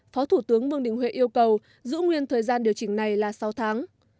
phó thủ tướng vương đình huệ yêu cầu giữ nguyên thời gian điều chỉnh này là sáu tháng